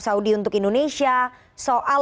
saudi untuk indonesia soal